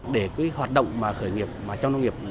để hoạt động khởi nghiệp trong nông nghiệp